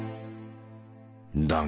だが。